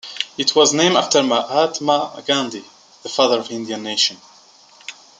It was named after Mahatma Gandhi, the father of Indian nation.